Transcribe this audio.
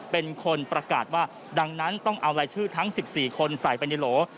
เป็นคนประกาศว่าดังนั้นต้องเอารายชื่อทั้ง๑๔คนใส่ไปในโหล